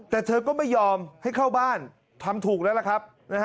แต่เธอก็ไม่ยอมให้เข้าบ้านทำถูกแล้วล่ะครับ